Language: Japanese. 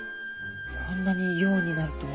こんなに洋になるとは。